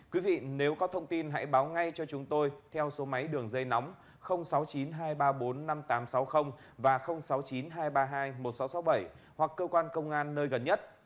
quý vị nếu có thông tin hãy báo ngay cho chúng tôi theo số máy đường dây nóng sáu mươi chín hai trăm ba mươi bốn năm nghìn tám trăm sáu mươi và sáu mươi chín hai trăm ba mươi hai một nghìn sáu trăm sáu mươi bảy hoặc cơ quan công an nơi gần nhất